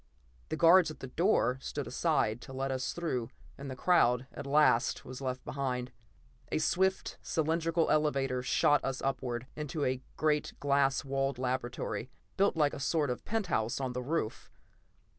The guards at the doors stood aside to let us through and the crowd at last was left behind. A swift, cylindrical elevator shot us upward, into a great glass walled laboratory, built like a sort of penthouse on the roof.